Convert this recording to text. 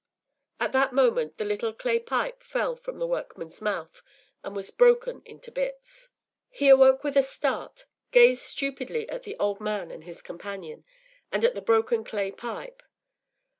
” At that moment the little clay pipe fell from the workman’s mouth and was broken into bits. He awoke with a start, gazed stupidly at the old man and his companion, and at the broken clay pipe.